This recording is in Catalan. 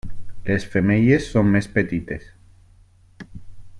Les femelles són més petites.